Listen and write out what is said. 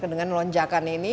dengan lonjakan ini